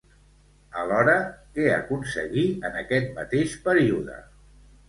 Alhora, què aconseguí en aquest mateix període?